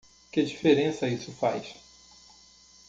Que diferença isso faz?